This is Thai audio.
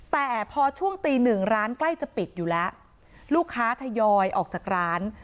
แต่พอช่วงตีหนึ่งร้านใกล้จะปิดอยู่แล้วลูกค้าทยอยออกจากร้าน